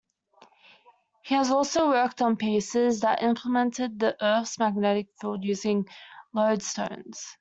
He has also worked on pieces that implemented the Earth's magnetic field using lodestones.